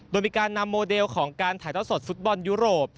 โดยมีการนำโมเดลของการถ่ายเท่าสดฟุตบอลยุโรป